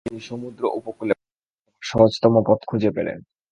তিনি সমুদ্র উপকূলে পৌঁছাবার সহজতম পথ খুঁজে পেলেন।